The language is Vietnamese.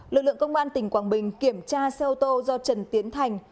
lực lượng công an tỉnh quảng bình kiểm tra xe ô tô do trần tiến thành